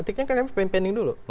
etiknya kan memang pending dulu